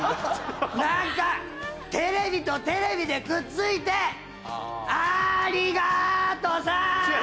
なんかテレビとテレビでくっついてありがとさん！！